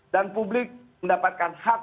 dan publik mendapatkan hak